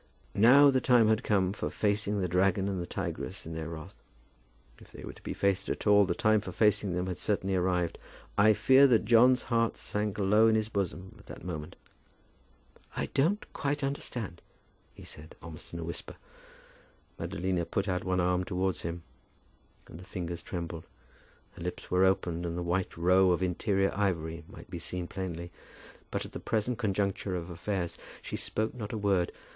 Now the time had come for facing the dragon and the tigress in their wrath. If they were to be faced at all, the time for facing them had certainly arrived. I fear that John's heart sank low in his bosom at that moment. "I don't quite understand," he said, almost in a whisper. Madalina put out one arm towards him, and the fingers trembled. Her lips were opened, and the white row of interior ivory might be seen plainly; but at the present conjuncture of affairs she spoke not a word.